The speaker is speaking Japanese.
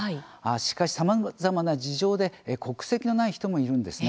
しかし、さまざまな事情で国籍のない人もいるんですね。